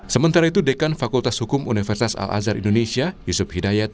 sementara itu dekan fakultas hukum universitas al azhar indonesia yusuf hidayat